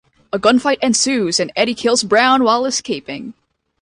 A gunfight ensues, and Eddie kills Brown while escaping.